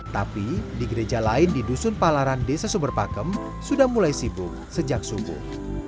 tapi di gereja lain di dusun palaran desa sumberpakem sudah mulai sibuk sejak subuh